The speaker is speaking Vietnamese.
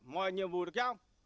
mọi nhiệm vụ được giao